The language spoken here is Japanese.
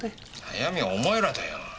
悩みはお前らだよ。